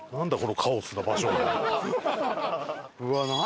うわっ何？